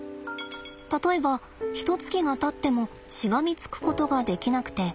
例えばひとつきがたってもしがみつくことができなくて。